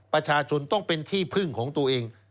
ประชาชนต้องเป็นที่พึ่งของตัวเอง